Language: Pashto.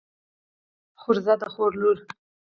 خورزه د خور لور.